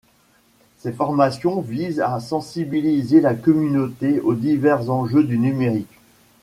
Ces formations visent à sensibiliser la communauté aux divers enjeux du numérique.